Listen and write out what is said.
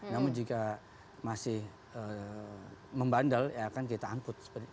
namun jika masih membandel ya akan kita angkut